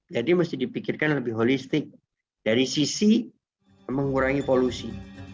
jadi mesti dipikirkan lebih holistik dari sisi mengurangi polusi